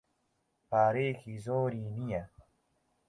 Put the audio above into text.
پارەیەکی زۆری نییە.